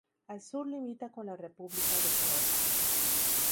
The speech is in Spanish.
Al sur limita con la República de Georgia.